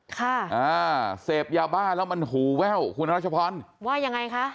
ค่ะอ่าเสพยาบ้าแล้วมันหูแว่วคุณรัชพรว่ายังไงคะ